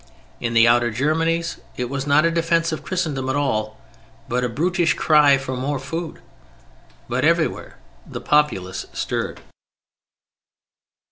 In the outer Germanies it was not a defence of Christendom at all, but a brutish cry for more food. But everywhere the populace stirred.